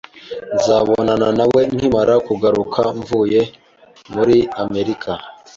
Nzabonana nawe nkimara kugaruka mvuye muri Amerika